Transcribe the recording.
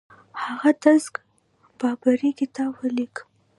هغه د تزک بابري کتاب ولیکه.